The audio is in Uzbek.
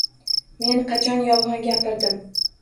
-Men qachon yolg’on gapirdim?